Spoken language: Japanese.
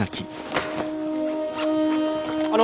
あの。